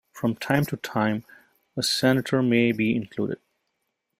From time to time, a senator may be included.